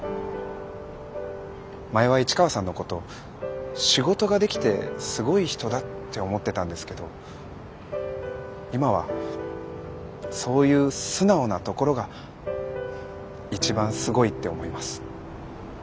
前は市川さんのこと仕事ができてすごい人だって思ってたんですけど今はそういう素直なところが一番すごいって思います。